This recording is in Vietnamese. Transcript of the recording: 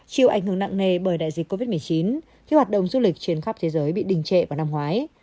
chịu ảnh hưởng nặng nề bởi đại dịch covid một mươi chín khi hoạt động du lịch trên khắp thế giới bị đình trệ vào năm ngoái